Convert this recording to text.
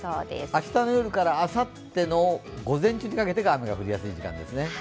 明日の夜からあさっての午前中にかけてが雨が降りやすいですね。